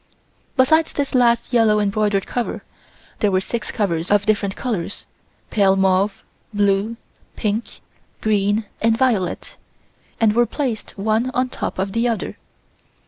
Besides this last yellow embroidered cover, there were six covers of different colors, pale mauve, blue, pink, green and violet, and were placed one on top of the other.